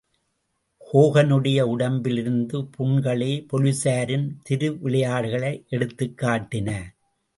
ஹோகனுடைய உடம்பிலிருந்த புண்களே போலிஸாரின் திருவிளையாடல்களை எடுத்துக்காட்டின.